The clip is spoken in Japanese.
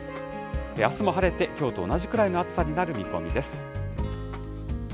あすも晴れてきょうと同じくらいの暑さになる見込みです。